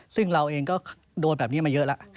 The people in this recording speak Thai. ซึ่งเราเองก็โดนแบบนี้มาเยอะแล้ว